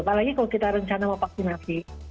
apalagi kalau kita rencana mau vaksinasi